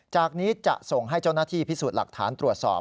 จากนี้จะส่งให้เจ้าหน้าที่พิสูจน์หลักฐานตรวจสอบ